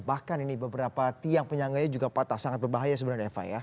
bahkan ini beberapa tiang penyangganya juga patah sangat berbahaya sebenarnya eva ya